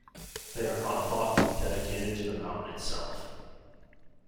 They are not thought to be dedicated to the mountain itself.